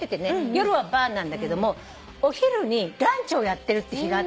夜はバーなんだけどもお昼にランチをやってるって日があって。